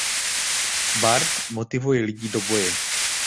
Bard motivuje lidi do boje.